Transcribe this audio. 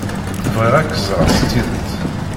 Bɣiɣ ad k-ẓreɣ s tidet.